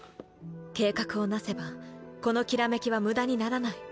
計画をなせばこの煌めきは無駄にならない。